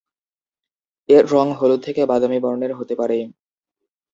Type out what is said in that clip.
এর রং হলুদ থেকে বাদামি বর্ণের হতে পারে।